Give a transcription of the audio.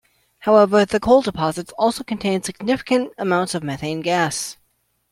However, the coal deposits also contained significant amounts of methane gas.